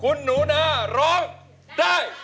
คุณหนูนาร้องได้